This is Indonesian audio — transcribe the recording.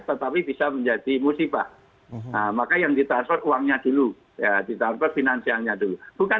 tetapi bisa menjadi musibah maka yang di transfer uangnya dulu ya di transfer finansialnya dulu bukan